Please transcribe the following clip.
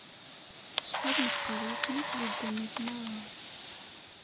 Acḥal meqqer yisem-ik di ddunit merra!